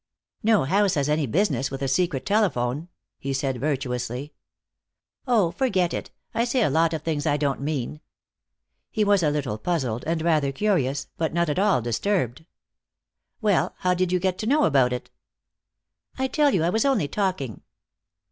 "No house has any business with a secret telephone," he said virtuously. "Oh, forget it. I say a lot of things I don't mean." He was a little puzzled and rather curious, but not at all disturbed. "Well, how did you get to know about it?" "I tell you I was only talking."